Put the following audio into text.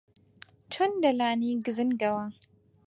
چۆن لە لانەی گزنگەوە